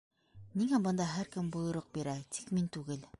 Ниңә бында һәр кем бойороҡ бирә, тик мин түгел?